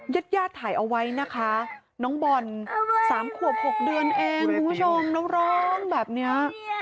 ยัดยาติถ่ายเอาไว้นะคะน้องบอล๓ขวบ๖เดือนเองดูชมน้องร้องแบบนี้